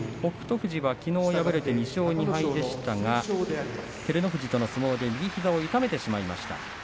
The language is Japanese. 富士がきのう敗れて２勝２敗でしたが照ノ富士との相撲で右膝を痛めてしまいました。